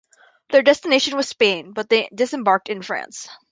Their destination was Spain, but they disembarked in France.